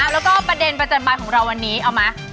แล้วก็ประเด็นประจำบานของเราวันนี้เอาไหม